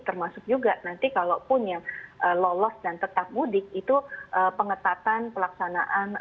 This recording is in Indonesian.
termasuk juga nanti kalaupun yang lolos dan tetap mudik itu pengetatan pelaksanaan